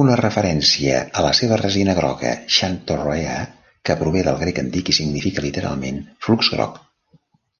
Una referència a la seva resina groga, "Xanthorrhoea", que prové del grec antic i significa literalment "flux groc".